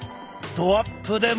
ドアップでも。